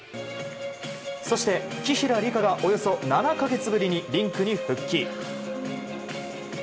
そして紀平梨花がおよそ７か月ぶりにリンクに復帰。